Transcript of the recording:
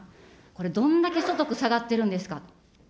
これ、どんだけ所得下がってるんですか。